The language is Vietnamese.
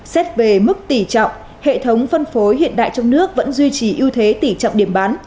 xét về mức tỷ trọng hệ thống phân phối hiện đại trong nước vẫn duy trì ưu thế tỷ trọng điểm bán